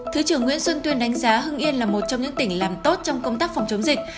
thứ trưởng nguyễn xuân tuyên đánh giá hưng yên là một trong những tỉnh làm tốt trong công tác phòng chống dịch